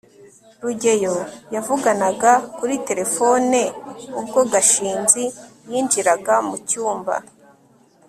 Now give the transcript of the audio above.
rugeyo yavuganaga kuri terefone ubwo gashinzi yinjiraga mu cyumba